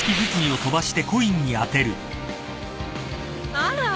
あら。